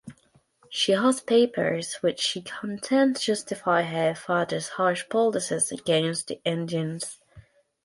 She has papers which she contends justify her father's harsh policies against the Indians.